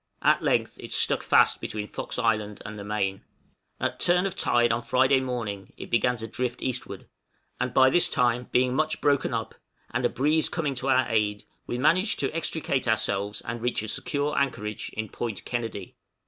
At length it stuck fast between Fox Island and the main. At turn of tide on Friday morning it began to drift eastward, and by this time being much broken up, and a breeze coming to our aid, we managed to extricate ourselves and reach a secure anchorage in Point Kennedy.